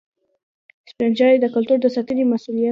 سپین ږیری د کلتور د ساتنې مسؤل دي